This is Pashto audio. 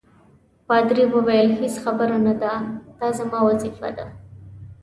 پادري وویل: هیڅ خبره نه ده، دا زما وظیفه ده.